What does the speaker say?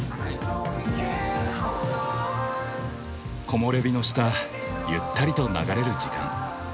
木漏れ日の下ゆったりと流れる時間。